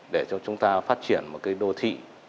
để cho chúng ta phát triển một đô thị